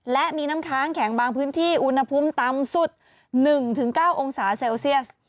และมีน้ำค้างแข็งบางพื้นที่อุณหภูมิต่ำสุด๑๙องศาเซลเซียส